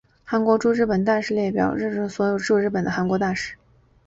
韩国驻日本大使列表列出历任所有驻日本的韩国大使。